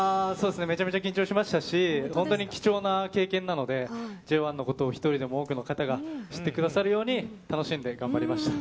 めちゃめちゃ緊張しましたし本当に貴重な経験なのでＪＯ１のことを１人でも多くの方が知ってくださるように楽しんで頑張りました。